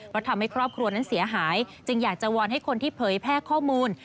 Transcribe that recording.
เพราะทำให้ครอบครัวนั้นเสียหายจึงอยากจะวอนให้คนที่เผยแพร่ข้อมูล